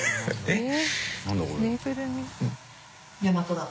えっ。